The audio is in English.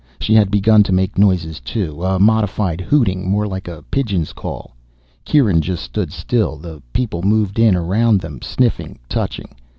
She had begun to make noises too, a modified hooting more like a pigeon's call. Kieran just stood still. The people moved in around them, sniffing, touching.